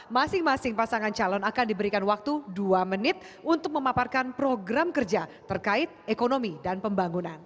masing masing pasangan calon akan diberikan waktu dua menit untuk memaparkan program kerja terkait ekonomi dan pembangunan